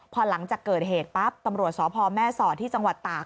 พอหลังจากเกิดเหตุปั๊บตำรวจสพแม่สอดที่จังหวัดตาก